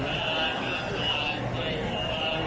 สวัสดีครับ